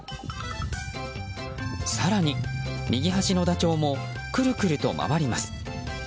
更に右端のダチョウもくるくると回ります。